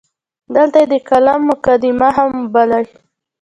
دلته یې د کالم مقدمه هم وبولئ.